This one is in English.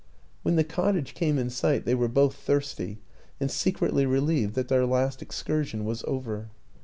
When the cottage came in sight they were both thirsty, and secretly relieved that their last excursion was over.